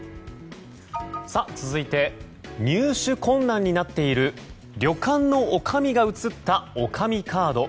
続いて入手困難になっている旅館の女将が写った女将カード。